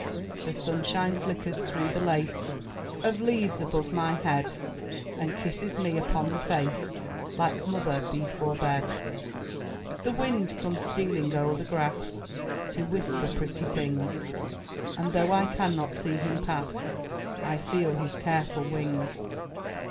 The Sunshine flickers through the lace Of leaves above my head. And kisses me upon the face Like Mother, before bed. The Wind comes stealing o'er the grass To whisper pretty things. And though I cannot see him pass, I feel his careful wings.